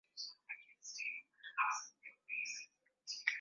Uhusiano huu ambao ni matokeo ya ujenzi wa viwanda vya Watanzania nchini Rwanda